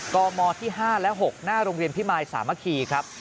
กมที่๕และ๖หน้าโรงเรียนพิมายสามัคคีครับ